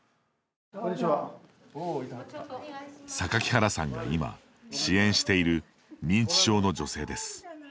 榊原さんが今支援している認知症の女性です。